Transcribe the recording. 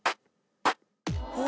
うわ。